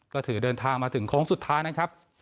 ก็ถือเดินทางมาถึงโค้งสุดท้ายนะครับ